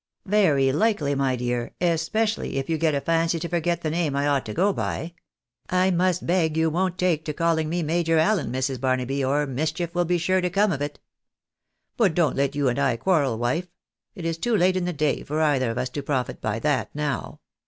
" Very likely, my dear ; especially if you get a fancy to forget the name I ought to go by. I must beg you won't take to caEiiig me Major Allen, Mrs. Barnaby, or mischief will be sure to come of it. But don't let you and I quarrel, wife. It is too late in the day for either of us to profit by that now.